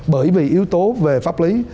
bởi vì yếu tố về pháp lý